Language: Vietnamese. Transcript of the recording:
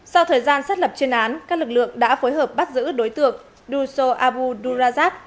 sau thời gian xác lập chuyên án các lực lượng đã phối hợp bắt giữ đối tượng duso abu durazab